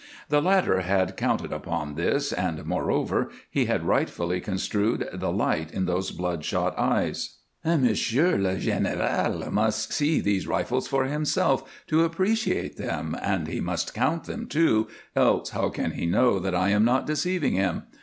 The latter had counted upon this, and, moreover, he had rightfully construed the light in those bloodshot eyes. "Monsieur le Général must see these rifles for himself, to appreciate them, and he must count them, too, else how can he know that I am not deceiving him?